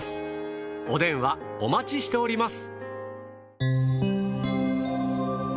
お電話お待ちしております。